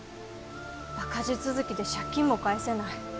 赤字続きで借金も返せない。